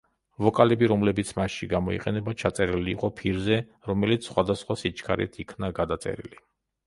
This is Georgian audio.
ვოკალები, რომლებიც მასში გამოიყენება, ჩაწერილი იყო ფირზე, რომელიც სხვადასხვა სიჩქარით იქნა გადაწერილი.